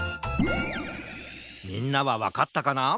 みんなはわかったかな？